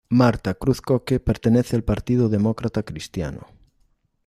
Marta Cruz-Coke pertenece al Partido Demócrata Cristiano.